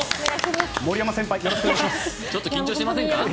ちょっと緊張してませんか？